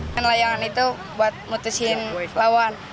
kan layangan itu buat mutusin lawan